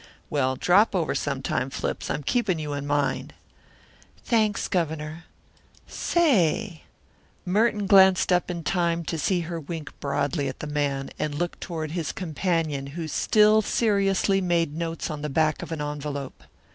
"Well, drop over sometime, Flips, I'm keeping you in mind." "Thanks, Governor. Say " Merton glanced up in time to see her wink broadly at the man, and look toward his companion who still seriously made notes on the back of an envelope.